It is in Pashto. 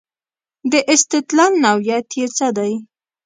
د استدلال نوعیت یې څه دی.